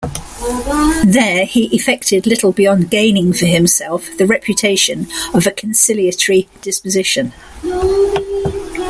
There he effected little beyond gaining for himself the reputation of a conciliatory disposition.